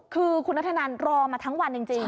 คือคุณนัทธนันรอมาทั้งวันจริง